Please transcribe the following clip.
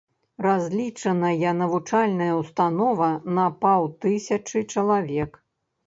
Разлічаная навучальная ўстанова на паўтысячы чалавек.